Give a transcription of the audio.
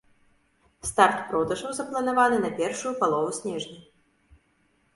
Старт продажаў запланаваны на першую палову снежня.